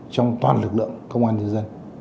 trong toàn lực lượng công an nhân dân